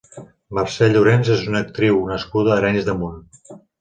Mercè Llorens és una actriu nascuda a Arenys de Munt.